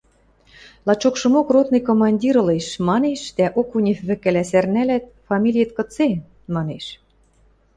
– Лачокшымок ротный командир ылеш, – манеш дӓ Окунев вӹкӹлӓ сӓрнӓлят: – Фамилиэт кыце? – манеш.